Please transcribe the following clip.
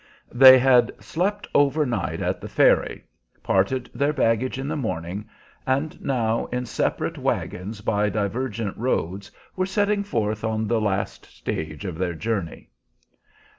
They had slept over night at the ferry, parted their baggage in the morning, and now in separate wagons by divergent roads were setting forth on the last stage of their journey.